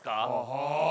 はあ。